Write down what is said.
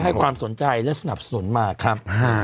ให้ความสนใจและสนับสนุนมาครับ